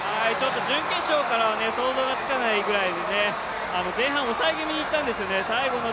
準決勝からは想像つかないくらい、前半抑え気味にいったんですよね。